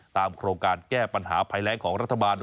โครงการแก้ปัญหาภัยแรงของรัฐบาล